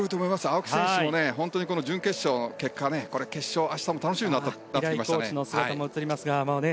青木選手も準決勝の結果決勝、明日も楽しみになってきましたね。